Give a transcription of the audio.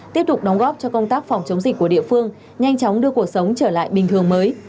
tiếp tục đóng góp cho công tác phòng chống dịch của địa phương nhanh chóng đưa cuộc sống trở lại bình thường mới